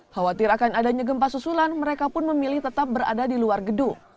khawatir akan adanya gempa susulan mereka pun memilih tetap berada di luar gedung